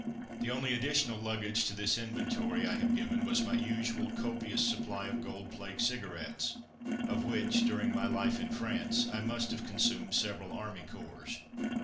The only additional luggage to this inventory I have given was my usual copious supply of Gold Flake cigarettes, of which, during my life in France, I must have consumed several army corps.